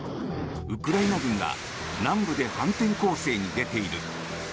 ウクライナ軍が南部で反転攻勢に出ている。